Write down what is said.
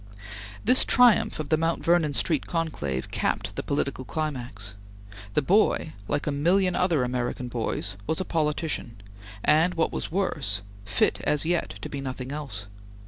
This triumph of the Mount Vernon Street conclave capped the political climax. The boy, like a million other American boys, was a politician, and what was worse, fit as yet to be nothing else.